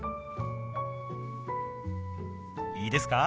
いいですか？